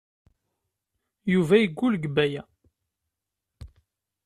Yuba yeggul deg Baya.